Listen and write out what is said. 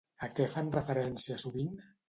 A què fan referència sovint?